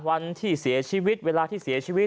วันที่เสียชีวิตเวลาที่เสียชีวิต